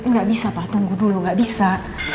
nggak bisa pak tunggu dulu nggak bisa